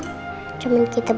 dia mulai pengenidang